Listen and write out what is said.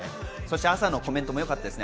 朝のコメントもよかったですね。